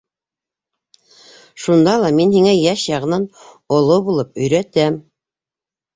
Шунда ла мин һиңә йәш яғынан оло булып өйрәтәм.